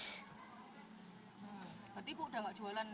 berarti ibu udah gak jualan